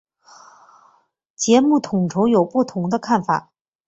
节目统筹有不同的看法。